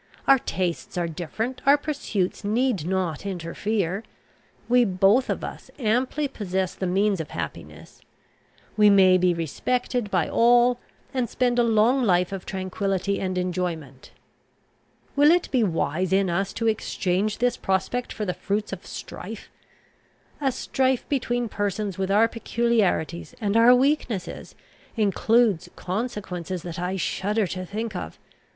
Our tastes are different; our pursuits need not interfere. We both of us amply possess the means of happiness; We may be respected by all, and spend a long life of tranquillity and enjoyment. Will it be wise in us to exchange this prospect for the fruits of strife? A strife between persons with our peculiarities and our weaknesses, includes consequences that I shudder to think of.